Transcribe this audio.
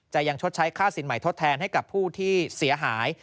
ยังชดใช้ค่าสินใหม่ทดแทนให้กับผู้ที่เสียหาย